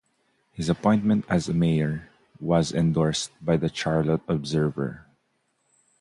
His appointment as mayor was endorsed by the "Charlotte Observer".